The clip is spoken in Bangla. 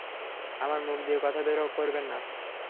আমার মুখ দিয়ে কথা বের করবেন না।